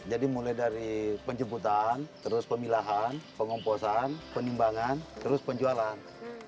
jadi mulai dari penjemputan terus pemilahan pengomposan penimbangan terus penjualan